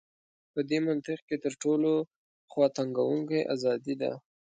په دې منطق کې تر ټولو خواتنګوونکې ازادي ده.